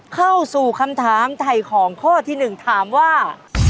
เข้าสู่คำถามไถ่ของข้อที่๑ถามว่า